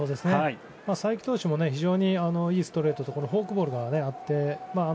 才木投手も非常にいいストレートとフォークボールがあって。